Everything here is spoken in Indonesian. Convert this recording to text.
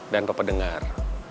dan papa dengar